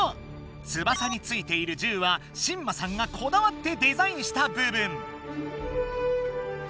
翼についているじゅうはしんまさんがこだわってデザインした部分。